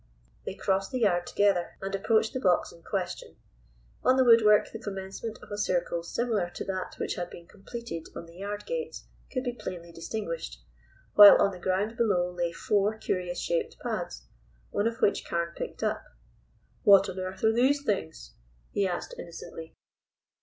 They crossed the yard together, and approached the box in question. On the woodwork the commencement of a circle similar to that which had been completed on the yard gates could be plainly distinguished, while on the ground below lay four curious shaped pads, one of which Carne picked up. "What on earth are these things?" he asked innocently.